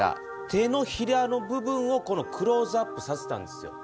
手のひらの部分をクローズアップさせたんですよ。